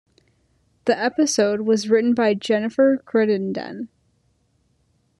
The episode was written by Jennifer Crittenden.